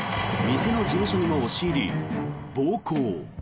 店の事務所にも押し入り、暴行。